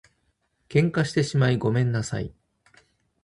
喧嘩してしまいごめんなさい